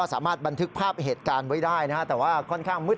สามารถบันทึกภาพเหตุการณ์ไว้ได้นะฮะแต่ว่าค่อนข้างมืด